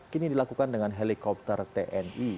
kini dilakukan dengan helikopter tni